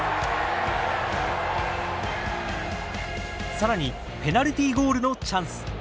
さらにペナルティゴールのチャンス。